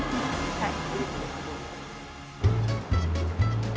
はい。